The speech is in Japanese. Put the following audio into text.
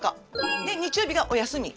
で日曜日がお休み。